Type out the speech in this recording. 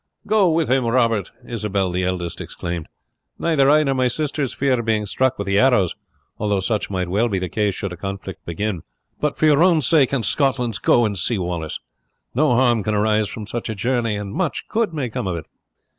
"Go with him, Robert," Isabel, the eldest, exclaimed. "Neither I nor my sisters fear being struck with the arrows, although such might well be the case should a conflict begin; but, for your own sake and Scotland's, go and see Wallace. No harm can arise from such a journey, and much good may come of it.